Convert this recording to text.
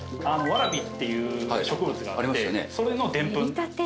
ワラビっていう植物があってそれのでんぷん。